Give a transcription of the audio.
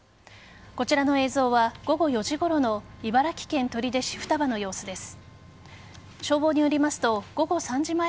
こちらの映像は午後４時ごろの茨城県取手市双葉の様子です。